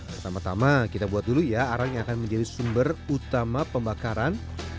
pertama tama kita buat dulu ya arang yang akan menjadi sumber utama pembakaran